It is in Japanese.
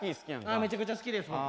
ああめちゃくちゃ好きです僕。